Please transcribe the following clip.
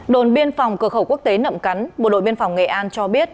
đồn biên phòng cửa khẩu quốc tế nậm cắn bộ đội biên phòng nghệ an cho biết